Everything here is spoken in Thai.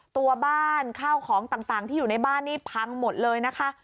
ตัวบ้านข้าวของต่างที่อยู่ในบ้านนี่พังหมดเลยนะคะ